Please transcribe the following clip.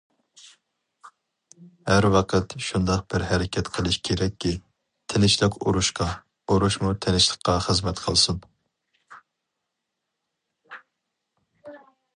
ھەر ۋاقىت شۇنداق بىر ھەرىكەت قىلىش كېرەككى، تىنچلىق ئۇرۇشقا، ئۇرۇشمۇ تىنچلىققا خىزمەت قىلسۇن.